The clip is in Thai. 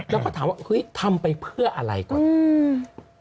แล้วก็ถามว่าทำไปเพื่ออะไรก่อน